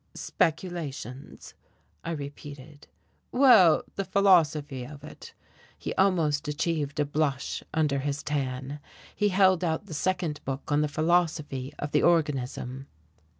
"Speculations?" I repeated. "Well, the philosophy of it." He almost achieved a blush under his tan. He held out the second book on the philosophy of the organism.